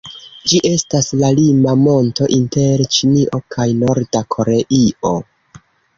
Ĝi estas la lima monto inter Ĉinio kaj Norda Koreio.